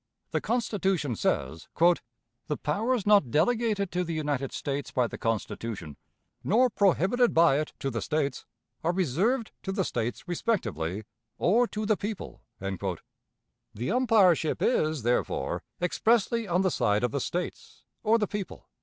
The Constitution says, "The powers not delegated to the United States by the Constitution, nor prohibited by it to the States, are reserved to the States respectively, or to the people." The umpireship is, therefore, expressly on the side of the States, or the people.